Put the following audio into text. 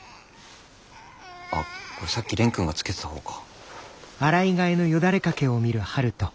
あっこれさっき蓮くんがつけてたほうか。